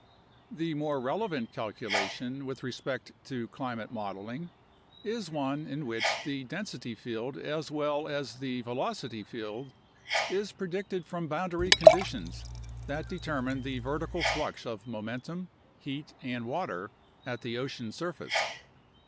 The more relevant calculation with respect to climate modeling is one in which the density field as well as the velocity field is predicted from boundary conditions that determine the vertical flux of momentum, heat, and water at the ocean surface.